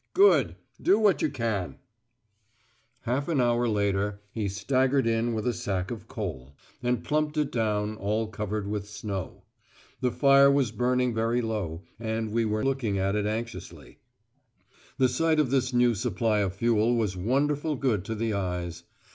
"Good! Do what you can." Half an hour later he staggered in with a sack of coal, and plumped it down, all covered with snow. The fire was burning very low, and we were looking at it anxiously. The sight of this new supply of fuel was wonderful good to the eyes.